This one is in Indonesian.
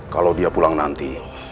kalau dia pulang nanti